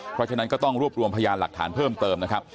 เพราะฉะนั้นก็ต้องรวบรวมพยานหลักฐานเพิ่มเติมนะครับ